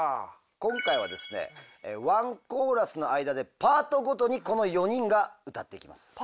今回はですねワンコーラスの間でパートごとにこの４人が歌っていきます。